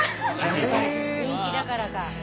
人気だからか。